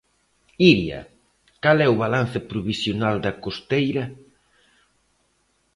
Iria, cal é o balance provisional da costeira?